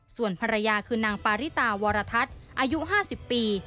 ส่วนภรรยาคือนางปาริตาวรทัศน์อายุ๕๐ปี